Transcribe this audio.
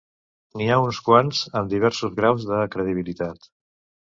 N’hi ha uns quants, amb diversos graus de credibilitat.